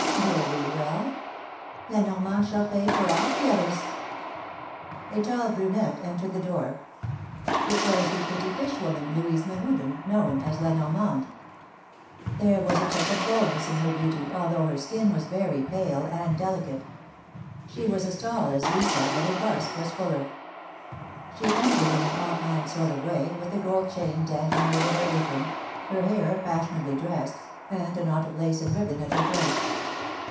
Very well; La Normande shall pay for all the others !" A tall brunette entered the door. It was the pretty | fish woman, Louise Mehuden, known as La NormandeJ There was a touch of boldness in her beauty, although her skin was very pale and delicate. She was as tall as Lisa, but her bust was fuller. She entered in an off hand sort of way, with a gold chain dangling over her apron, her hair fashionably dressed, and a knot of lace and ribbon at her throat.